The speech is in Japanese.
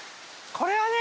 これはね